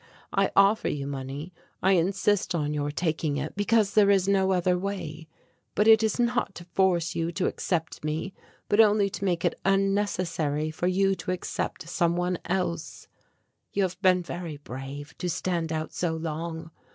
I offer you money, I insist on your taking it because there is no other way, but it is not to force you to accept me but only to make it unnecessary for you to accept some one else. You have been very brave, to stand out so long.